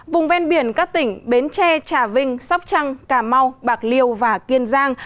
vùng ven biển các tỉnh bến tre trà vinh sóc trăng cà mau bạc liêu và kiên giang